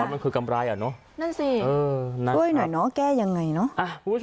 มันคือกำไรอ่ะเนอะนั่นสิช่วยหน่อยเนาะแก้ยังไงเนอะ